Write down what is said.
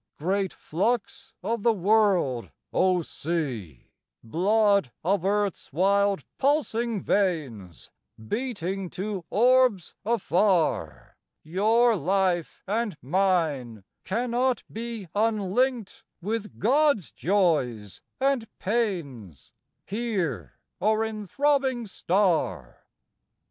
_ Great flux of the world, O sea, Blood of earth's wild pulsing veins Beating to orbs afar, Your life and mine cannot be Unlinked with God's joys and pains Here or in throbbing star!